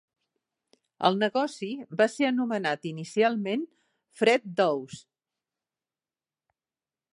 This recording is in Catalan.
El negoci va ser anomenat inicialment fred Dawes.